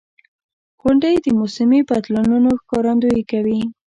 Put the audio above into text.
• غونډۍ د موسمي بدلونونو ښکارندویي کوي.